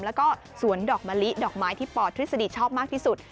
แล้วก็สวนดอกมะลิดอกไม้ที่ปทฤษฎีชอบมากที่สุด